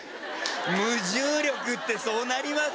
無重力ってそうなります？